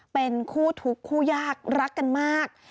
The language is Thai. เป็นคู่ทุกข์คู่ยากรักกันมาก